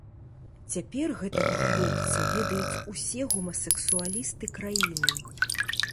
Цяпер гэтага хлопца ведаюць усе гомасэксуалісты краіны.